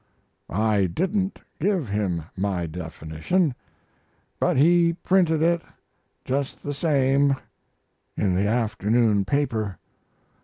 I didn't give him my definition; but he printed it, just the same, in the afternoon paper.